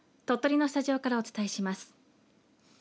鳥取のスタジオからお伝えします。